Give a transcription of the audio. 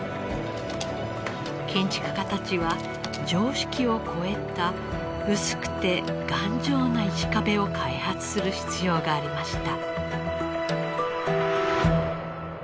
建築家たちは常識を超えた薄くて頑丈な石壁を開発する必要がありました。